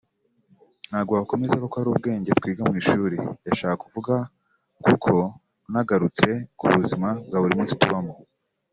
ntago wakwemeza ko ari ubwenge twiga mu ishuri yashakaga kuvuga kuko unagarutse no kubuzima bwa buri munsi tubamo